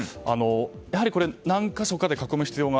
やはり何か所かで囲む必要が。